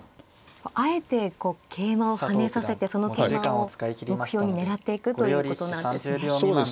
あえてこう桂馬を跳ねさせてその桂馬を目標に狙っていくということなんですね。